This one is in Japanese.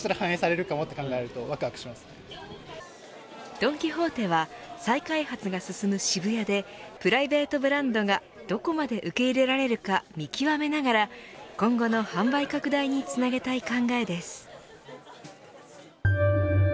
ドン・キホーテは再開発が進む渋谷でプライベートブランドがどこまで受け入れられるか見極めながら今後の販売拡大につなげたい考えです。